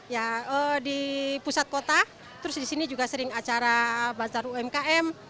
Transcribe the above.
ya di pusat kota terus di sini juga sering acara bazar umkm